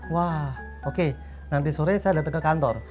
wah oke nanti sore saya datang ke kantor